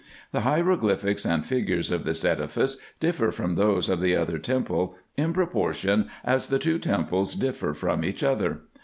The hieroglyphics and figures of this edifice differ from those of the other temple in proportion as the two temples differ from each other.